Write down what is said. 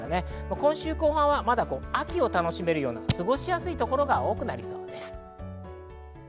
今週後半はまだ秋を楽しめるような過ごしやすいところが多くなりそうです。